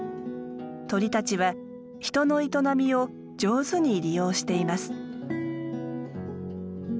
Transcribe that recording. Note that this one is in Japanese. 鳥たちは人の営みを上手に利用しています。